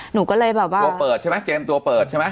หนูก็เลยแบบว่าตัวเปิดใช่ไหมเจมส์ตัวเปิดใช่ไหม